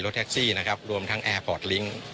รถแท็กซี่รวมทั้งแอร์ปอร์ตลิงค์